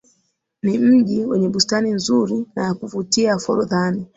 Ni mji wenye bustani nzuri na yakuvutia ya Forodhani